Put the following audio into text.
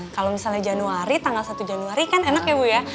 kalau misalnya januari tanggal satu januari kan enak ya bu ya